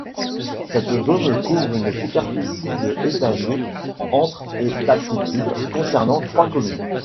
Cette zone couvre une superficie de étagée entre et d'altitude, concernant trois communes.